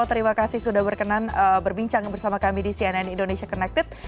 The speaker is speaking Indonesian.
terima kasih sudah berkenan berbincang bersama kami di cnn indonesia connected